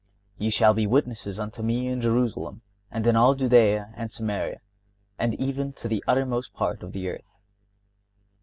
(59) "Ye shall be witnesses unto Me in Jerusalem, and in all Judea, and Samaria, and even to the uttermost part of the earth."